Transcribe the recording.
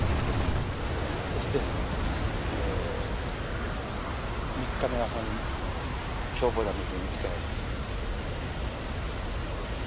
そしてえ３日目の朝に消防団の人に見つけられた。